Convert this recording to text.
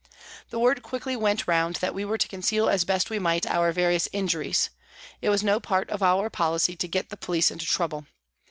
The word quickly went round that we were to conceal as best we might our various injuries. It was no part of our policy to get the police into trouble.